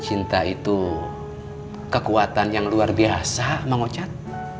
cinta itu kekuatan yang luar biasa bang ocet